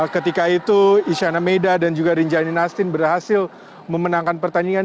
ketika itu isyana meidarin dan juga riny jalini nastin berhasil memenangkan pertandingan